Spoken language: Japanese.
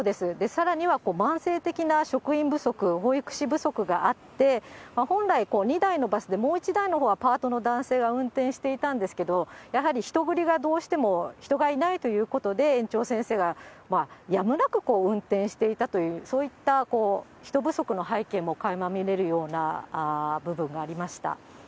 さらには慢性的な職員不足、保育士不足があって、本来、２台のバスでもう１台のほうはパートの男性が運転していたんですけれども、やはり人繰りが、どうしても人がいないということで、園長先生がやむなく運転していたという、そういった人不足の背景もかいま見れるような部分がありました。